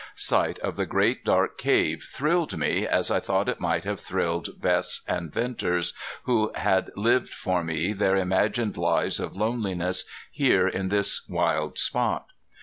Sight of the great dark cave thrilled me as I thought it might have thrilled Bess and Venters, who had lived for me their imagined lives of loneliness here in this wild spot.